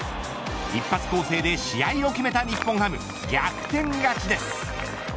一発攻勢で試合を決めた日本ハム逆転勝ちです。